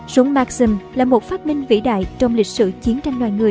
súng maxim là một phát minh vĩ đại trong lịch sử chiến tranh loài người